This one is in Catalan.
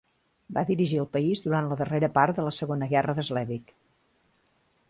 Va dirigir el país durant la darrera part de la Segona Guerra de Slesvig.